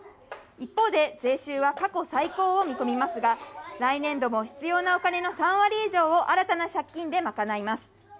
一方で、税収は過去最高を見込みますが、来年度も必要なお金の３割以上を新たな借金で賄います。